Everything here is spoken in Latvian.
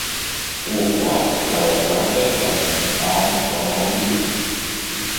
Koku lapas strauji dzeltē, lai gan salnas vēl nav bijušas.